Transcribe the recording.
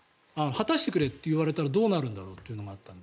果たしてくれって言われたらどうなるんだろうと。